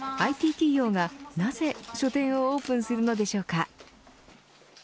企業がなぜ書店をオープンするのでしょうか。